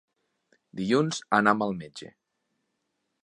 Dilluns anam al metge.